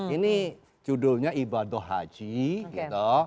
ini judulnya ibadah haji gitu